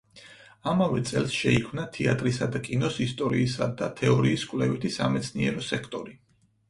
ამავე წელს შეიქმნა თეატრისა და კინოს ისტორიისა და თეორიის კვლევითი სამეცნიერო სექტორი.